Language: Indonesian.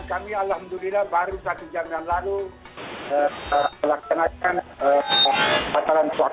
kami alhamdulillah baru satu jam dan lalu melaksanakan pasaran suara